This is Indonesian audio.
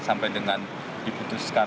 sampai dengan diputuskan